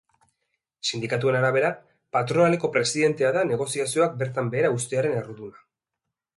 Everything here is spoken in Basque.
Sindikatuen arabera, patronaleko presidentea da negoziazioak bertan behera uztearen erruduna.